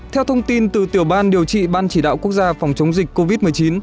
theo thông tin từ tiểu ban điều trị ban chỉ đạo quốc gia phòng chống dịch covid một mươi chín